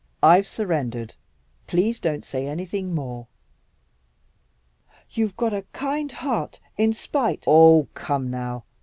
"I've surrendered. Please don't say anything more." "You've got a kind heart, in spite " "Oh, come now!